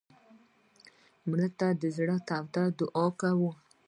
مړه ته د زړه تود دعا کوو